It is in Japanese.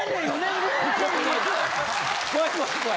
怖い怖い怖い。